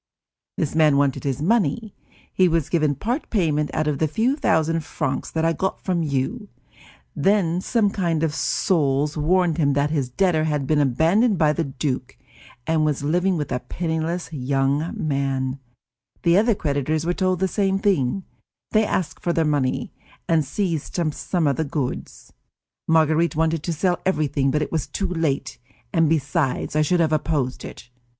This man wanted his money; he was given part payment out of the few thousand francs that I got from you; then some kind souls warned him that his debtor had been abandoned by the duke and was living with a penniless young man; the other creditors were told the same; they asked for their money, and seized some of the goods. Marguerite wanted to sell everything, but it was too late, and besides I should have opposed it.